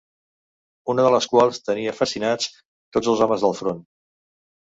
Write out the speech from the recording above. Una de les quals tenia fascinats tots els homes del front